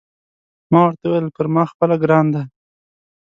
ما ورته وویل: پر ما خپله ګران دی.